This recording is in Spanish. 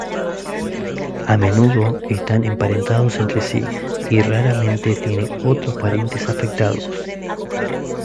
A menudo están emparentados entre sí, y raramente tienen otros parientes afectados.